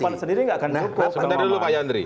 ya kalau pan sendiri nggak akan cukup pak mamandri